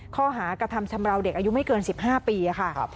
ข้อหากระทำชำราวเด็กอายุไม่เกิน๑๕ปีค่ะ